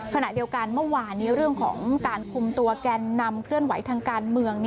ขณะเดียวกันเมื่อวานนี้เรื่องของการคุมตัวแกนนำเคลื่อนไหวทางการเมือง